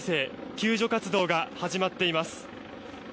救助活動が始まっています。